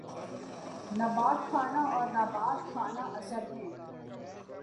نبات خانہ اور نبات خانہ اثر ہیں